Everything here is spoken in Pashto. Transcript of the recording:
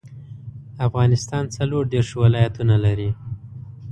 افغانستان څلوردیرش ولايتونه لري.